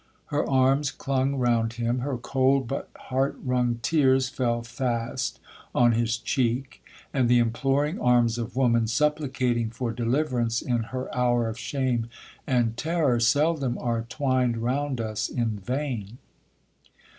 Her arms clung round him, her cold but heart wrung tears fell fast on his cheek, and the imploring arms of woman supplicating for deliverance in her hour of shame and terror, seldom are twined round us in vain.